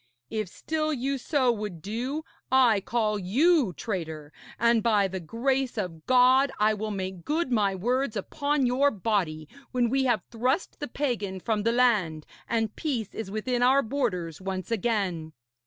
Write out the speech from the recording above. If still you so would do, I call you traitor, and, by the grace of God, I will make good my words upon your body, when we have thrust the pagan from the land and peace is within our borders once again.'